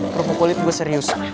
kerupuk kulit gue serius